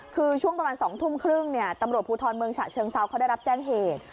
คือช่วงประมาณ๒ทุ่มครึ่งเนี่ยตำรวจภูทรเมืองฉะเชิงเซาเขาได้รับแจ้งเหตุ